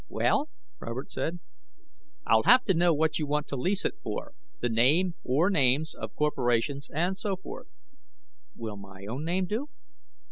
"Well?" Robert said. "I'll have to know what you want to lease it for, the name or names of corporations, and so forth." "Will my own name do?"